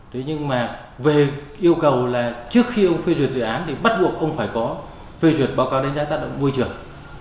thế nhưng mà về yêu cầu là trước khi ông phê duyệt dự án thì bắt buộc ông phải có phê duyệt báo cáo đánh giá tác động môi trường